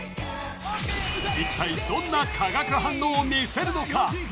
一体どんな化学反応を見せるのか？